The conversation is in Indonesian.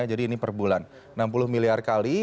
jadi ini per bulan enam puluh miliar kali